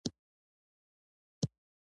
بل یې ښه کیسه لیکونکي پیدا نکړای شول.